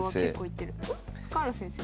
深浦先生。